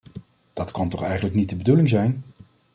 Dat kan toch eigenlijk niet de bedoeling zijn!